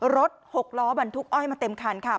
รถหกล้อบรรทุกอ้อยมาเต็มคันค่ะ